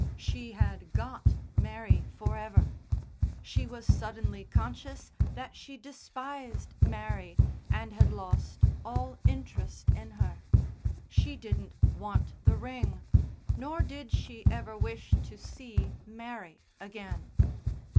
She had "got" Mary for ever. She was suddenly conscious that she despised Mary, and had lost all interest in her. She didn't want the ring, nor did she ever wish to see Mary again.